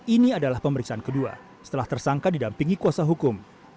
ini adalah pemeriksaan kedua setelah tersangka didampingi kuasa hukum